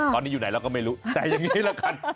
ตอนนี้อยู่ไหนเราก็ไม่รู้แต่อย่างนี้ละกัน